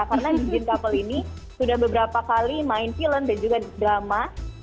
karena bin jin couple ini sudah beberapa kali main film dan juga drama